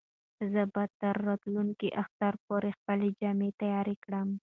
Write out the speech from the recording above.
زه به تر راتلونکي اختر پورې خپلې جامې تیارې کړم.